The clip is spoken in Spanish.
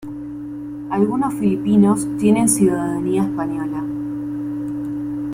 Algunos filipinos tienen ciudadanía española.